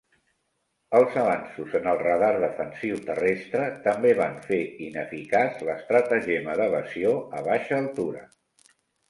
Els avanços en el radar defensiu terrestre també van fer ineficaç l'estratagema d'evasió a baixa altura.